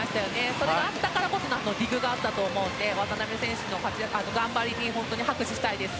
それがあったからこそのディグがあったと思うので渡邊選手の活躍、頑張りに本当に拍手したいです。